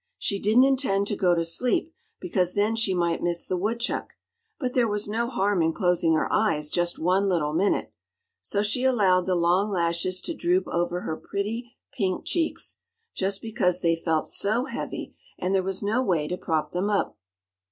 She didn't intend to go to sleep, because then she might miss the woodchuck; but there was no harm in closing her eyes just one little minute; so she allowed the long lashes to droop over her pretty pink cheeks just because they felt so heavy, and there was no way to prop them up.